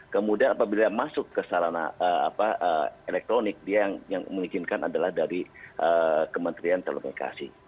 kemudian apabila masuk ke sarana elektronik dia yang mengizinkan adalah dari kementerian telekomunikasi